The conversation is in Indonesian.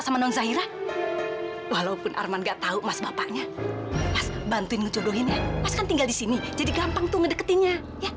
sampai jumpa di video selanjutnya